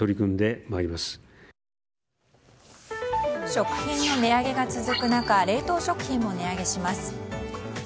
食品の値上げが続く中冷凍食品も値上げします。